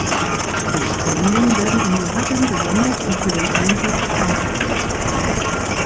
Die Spenden werden in Lagern gesammelt und für den Einsatz vorbereitet.